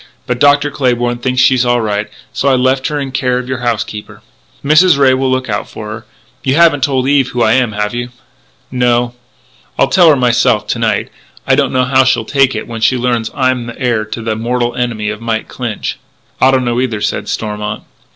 But Dr. Claybourn thinks she's all right.... So I left her in care of your housekeeper." "Mrs. Ray will look out for her.... You haven't told Eve who I am, have you?" "No." "I'll tell her myself to night. I don't know how she'll take it when she learns I'm the heir to the mortal enemy of Mike Clinch." "I don't know either," said Stormont.